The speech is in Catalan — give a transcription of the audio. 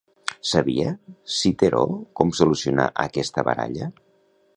Sabia Citeró com solucionar aquesta baralla?